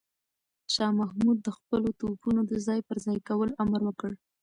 شاه محمود د خپلو توپونو د ځای پر ځای کولو امر وکړ.